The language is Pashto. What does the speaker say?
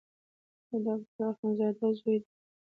د ډاکټر اخندزاده زوی دی.